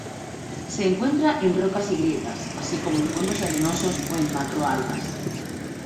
Se encuentra en rocas y grietas, así como en fondos arenosos o en macroalgas.